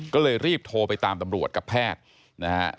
ก็เลยรีบโทรไปตามตำรวจกับแพทย์นะฮะ